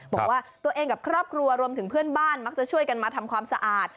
บอกว่าตัวเองกับครอบครัวรวมถึงเพื่อนบ้านมักจะช่วยกันมาทำความสะอาด